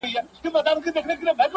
برابره یې قسمت کړه پر ده لاره٫